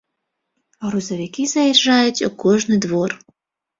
Грузавікі заязджаюць у кожны двор.